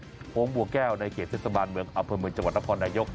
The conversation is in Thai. โพงบัวแก้วในเขตเศรษฐบาลเหมือนอัพพลิกจังหวัดนพรนายก